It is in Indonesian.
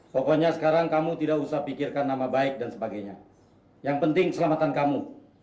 pokoknya sekarang kamu tidak usah pikirkan nama baik dan sebagainya yang penting selamatan kamu